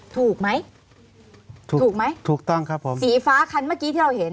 ถูกไหมถูกถูกไหมถูกต้องครับผมสีฟ้าคันเมื่อกี้ที่เราเห็น